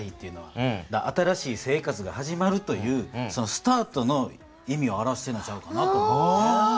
だから新しい生活が始まるというそのスタートの意味を表してるんちゃうかなと思ってね。